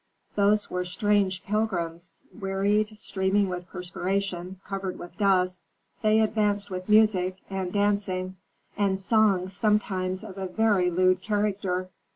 Those were strange pilgrims. Wearied, streaming with perspiration, covered with dust, they advanced with music, and dancing, and songs sometimes of a very lewd character.